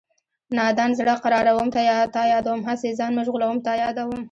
نادان زړه قراروم تا یادوم هسې ځان مشغولوم تا یادوم